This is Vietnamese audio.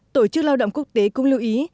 tổ chức lao động quốc tế cũng lưu ý